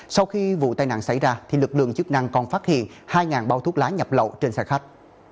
sau khi vụ tai nạn xảy ra lực lượng chức năng còn phát hiện hai bao thuốc lá nhập lậu trên xe khách